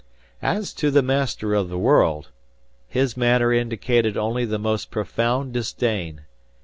As to the Master of the World, his manner indicated only the most profound disdain.